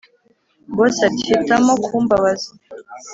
boss ati”hitamo kumbabaza